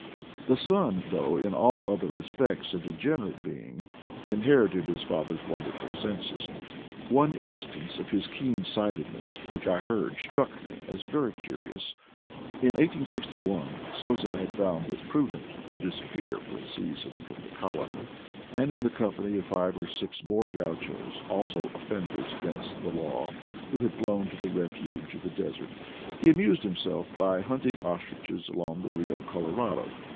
The son, though in all other re spects a degenerate being, inherited his father's LIFE IN PATAGONIA 97 wonderful senses. One instance of his keen sight edness which I heard struck me as very curious. r . In 1861 Sosa had found it prudent to disappear for a season from the colony, and in the company of five or six more gauchos — also offenders against the law, who had flown to the refuge of the des ert — he amused himself by hunting ostriches along the Bio Colorado.